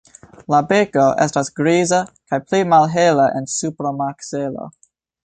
La beko estas griza kaj pli malhela en supra makzelo.